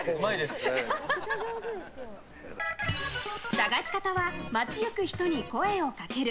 探し方は街行く人に声をかける。